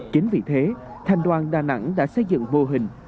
chính vì thế thành đoàn đà nẵng đã xây dựng mô hình